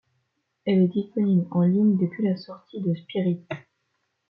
Elle est disponible en ligne depuis la sortie de Spirit.